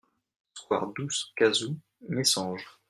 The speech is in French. Square Dous Casous, Messanges